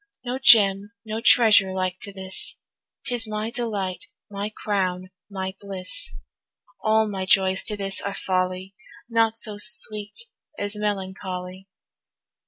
No Gem, no treasure like to this, 'Tis my delight, my crown, my bliss. All my joys to this are folly, Naught so sweet as melancholy.